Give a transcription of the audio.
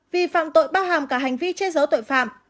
vì phạm tội bao hàm cả hành vi che giấu tội phạm